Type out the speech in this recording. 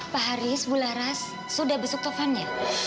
pak haris bu laras sudah besok taufannya